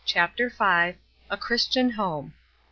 CHAPTER V. "A CHRISTIAN HOME."